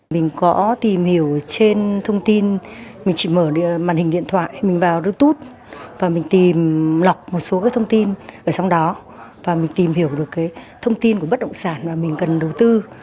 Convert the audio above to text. mình có tìm hiểu trên thông tin mình chỉ mở màn hình điện thoại mình vào youtube và mình tìm lọc một số cái thông tin ở trong đó và mình tìm hiểu được cái thông tin của bất động sản mà mình cần đầu tư